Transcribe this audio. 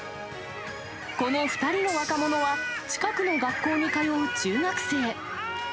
この２人の若者は、近くの学校に通う中学生。